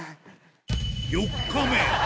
４日目。